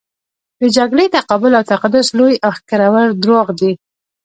د جګړې تقابل او تقدس لوی او ښکرور درواغ دي.